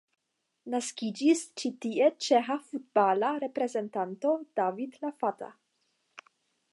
Naskiĝis ĉi tie ĉeĥa futbala reprezentanto David Lafata.